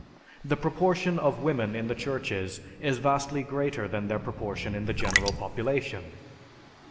The proportion of women in the churches is vastly greater than their proportion in the general population.